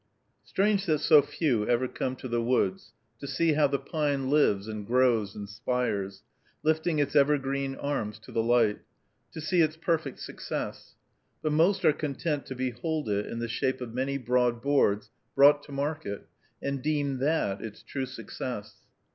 Strange that so few ever come to the woods to see how the pine lives and grows and spires, lifting its evergreen arms to the light, to see its perfect success; but most are content to behold it in the shape of many broad boards brought to market, and deem that its true success!